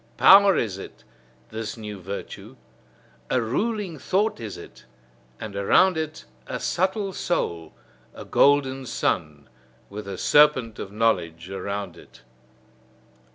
Power is it, this new virtue; a ruling thought is it, and around it a subtle soul: a golden sun, with the serpent of knowledge around it.